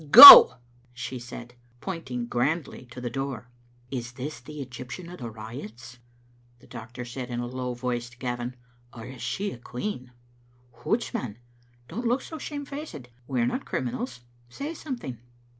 " Go !" she said, pointing grandly to the door. "Is this the Egyptian of the riots," the doctor said in a low voice to Gavin, " or is she a queen? Hoots, man, don't look so shamefaced. We are not criminals. Say something."